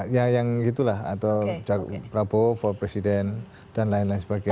ya yang itulah atau prabowo for president dan lain lain sebagainya